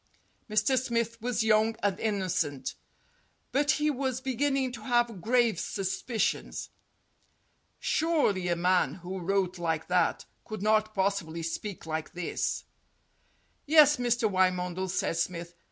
Mr. Smith was young and innocent, but he was ONE HOUR OF FAME 187 beginning to have grave suspicions. Surely a man who wrote like that could not possibly speak like this. "Yes, Mr. Wymondel," said Smith.